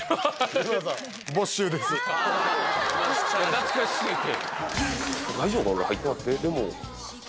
懐かし過ぎて。